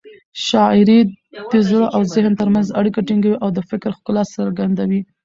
شاعري د زړه او ذهن تر منځ اړیکه ټینګوي او د فکر ښکلا څرګندوي.